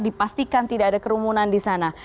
dipastikan tidak ada kerumunan di sana